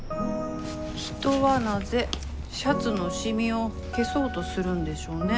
人はなぜシャツの染みを消そうとするんでしょうね。